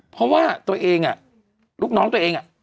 เพราะว่าตัวเองลูกน้องตัวเอง